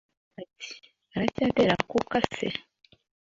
bati:aracyatera akuka se?: